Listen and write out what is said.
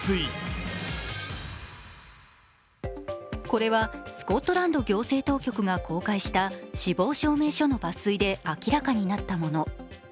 これはスコットランド行政当局が公開した死亡証明書の抜粋で明らかになったもの。